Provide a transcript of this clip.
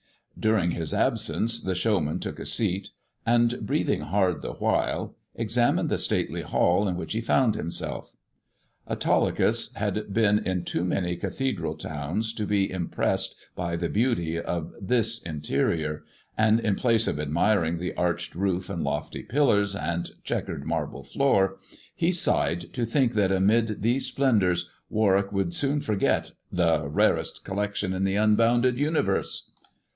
During his absence the showman took a seat, and breathing hard the while, examined the stately hall in which he found himself. Autolycus had been in too many cathedral towns to be impressed by the beauty of this interior ; and in place of admiring the arched roof, and lofty pillars, and chequered marble floor, he sighed to think that amid these splendours Warwick would soon forget the Rarest Collection in the Unbounded Universe.